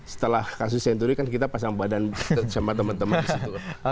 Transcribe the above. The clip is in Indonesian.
setelah kasus senturi kan kita pasang badan sama teman teman di situ